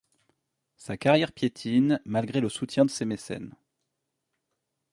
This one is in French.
Sa carrière piétine malgré le soutien de ses mécènes.